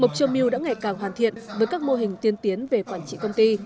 mộc châu milk đã ngày càng hoàn thiện với các mô hình tiên tiến về quản trị công ty